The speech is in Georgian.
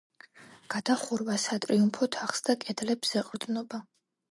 გადახურვა სატრიუმფო თაღს და კედლებს ეყრდნობა.